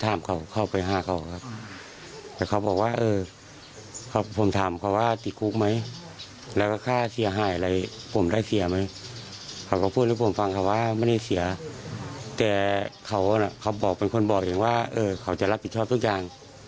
แต่เค้าบอกครับว่าเค้าจะรับผิดชอบใจของทุกอย่าง